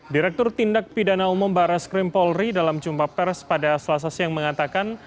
direktur tindak pidana umum baras krim polri dalam jumpa pers pada selasa siang mengatakan